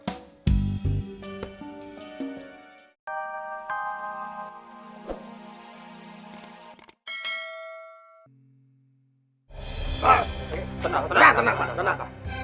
mas tenang tenang